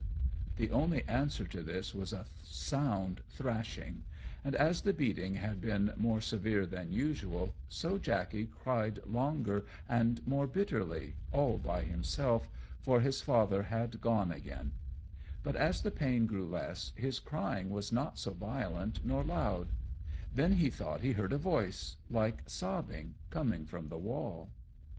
The only answer to this was a sound thrashing; and, as the beating had been more severe than usual, so Jackey cried longer and more bitterly, all by himself, for his father had gone again; but, as the pain grew less, his crying was not so violent nor loud; then he thought he heard a voice, like sobbing, come from the wall.